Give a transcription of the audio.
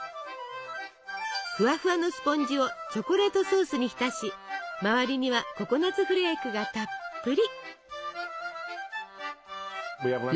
ふわふわのスポンジをチョコレートソースに浸し周りにはココナツフレークがたっぷり！